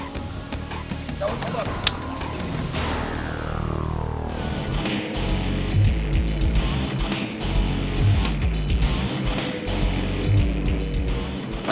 jauh jauh jauh